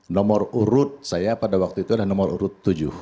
nomor urut saya pada waktu itu adalah nomor urut tujuh